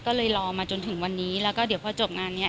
ก็เลยรอมาจนถึงวันนี้แล้วก็เดี๋ยวพอจบงานนี้